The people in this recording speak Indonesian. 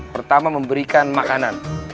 pertama memberikan makanan